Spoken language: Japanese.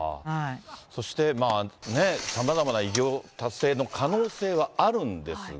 そして、さまざまな偉業達成の可能性があるんですが。